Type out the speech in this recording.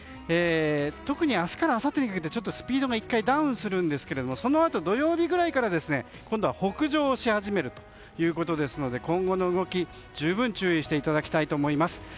特に明日からあさってにかけてスピードが１回ダウンするんですがそのあと、土曜日ぐらいから今度は、北上し始めるということですので今後の動き、十分注意していただきたいと思います。